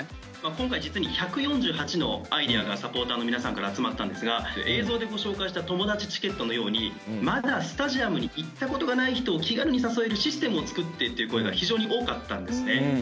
今回実に１４８のアイデアがサポーターの皆さんから集まったんですが映像でご紹介した「友達チケット」のようにまだスタジアムに行ったことがない人を気軽に誘えるシステムを作ってという声が非常に多かったんですね。